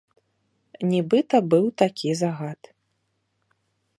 Нібыта быў такі загад.